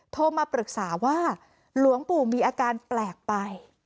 โทรมาปรึกษาว่าหลวงปู่มีอาการแปลกไป